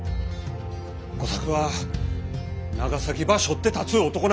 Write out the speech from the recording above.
吾作は長崎ばしょって立つ男なんです！